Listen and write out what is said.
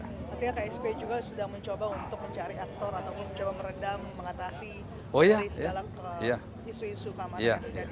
ksp juga sudah mencoba untuk mencari aktor ataupun mencoba meredam mengatasi segala isu isu kamar